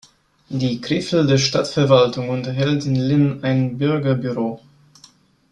Die Krefelder Stadtverwaltung unterhält in Linn ein Bürgerbüro.